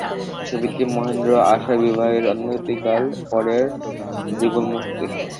ছবিটি মহেন্দ্র ও আশার বিবাহের অনতিকাল পরের যুগলমূর্তি।